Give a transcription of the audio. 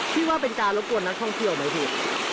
พี่ว่าเป็นการรบกวนนักท่องเที่ยวไหมพี่